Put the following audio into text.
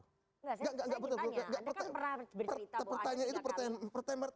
enggak saya bertanya anda kan pernah bercerita bahwa anda tiga kali